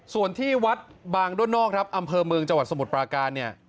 ส่วนที่วัดบางด้วนนอกอำเภอเมืองจังหวัดสมุทรปลากา